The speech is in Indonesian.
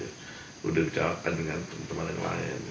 sudah dijawabkan dengan teman teman yang lain